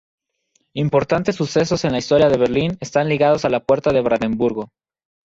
Importantes sucesos en la historia de Berlín están ligados a la Puerta de Brandeburgo.